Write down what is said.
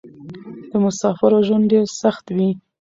د مسافرو ژوند ډېر سخت وې.